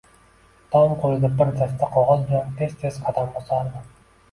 Tom qo`lida bir dasta qog`oz bilan tez-tez qadam bosardi